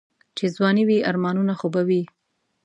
چې ځواني وي آرمانونه خو به وي.